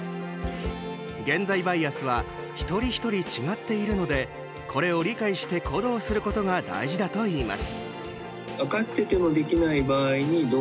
現在バイアスは一人ひとり違っているのでこれを理解して行動することが大事だといいます。